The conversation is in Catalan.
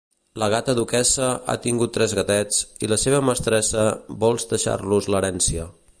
La gata Duquessa ha tingut tres gatets i la seva mestressa vols deixar-los l'herència.